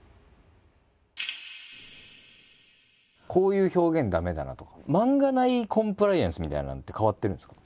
こういう表現駄目だなとか漫画内コンプライアンスみたいなのって変わってるんですか？